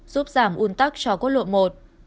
giúp giảm un tắc cho quốc lộ một